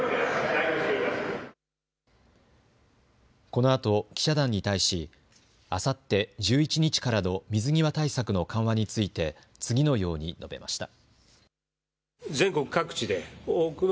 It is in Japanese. このあと、記者団に対しあさって１１日からの水際対策の緩和について次のように述べました。